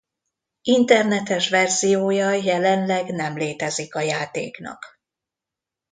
Internetes verziója jelenleg nem létezik a játéknak.